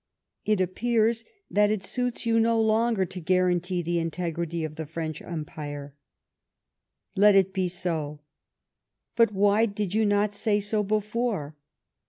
It appears that it suits you no longer to guarantee the integrity of the French Empire. Let it be so. But why did you not say so before?